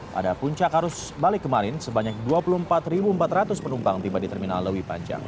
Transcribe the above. pada puncak arus balik kemarin sebanyak dua puluh empat empat ratus penumpang tiba di terminal lewi panjang